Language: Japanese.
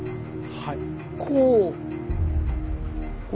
はい。